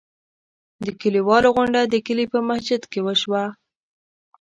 د کلیوالو غونډه د کلي په مسجد کې وشوه.